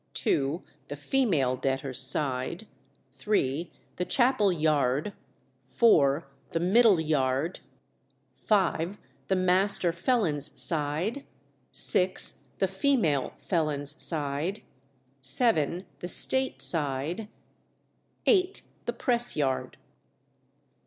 ii. The female debtors' side. iii. The chapel yard. iv. The middle yard. v. The master felons' side. vi. The female felons' side. vii. The state side. viii. The press yard.